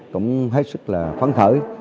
cũng hết sức là phấn khởi